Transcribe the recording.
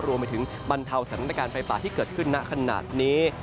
รวมไปถึงบรรเทาสรรภาการไฟป่าที่เกิดขึ้นในขณะนี้